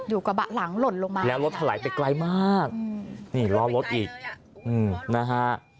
อยู่กระบะหลังหล่นลงมาแล้วรถไถลไปไกลมากรอรถอีกนะฮะ